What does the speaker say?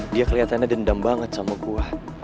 dia keliatannya dendam banget sama gua